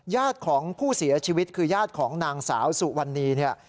ญาติของผู้เสียชีวิตคือญาติของนางสาวสุวรรณีเนี่ย